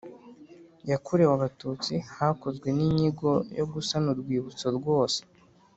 yakorewe Abatutsi hakozwe n inyigo yo gusana urwibutso rwose